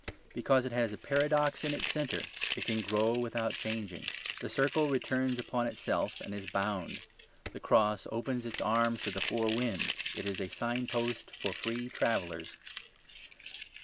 Because it has a paradox in its centre it can grow without changing. The circle returns upon itself and is bound. The cross opens its arms to the four winds; it is a signpost for free travellers.